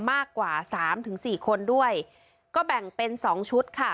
มากกว่าสามถึงสี่คนด้วยก็แบ่งเป็นสองชุดค่ะ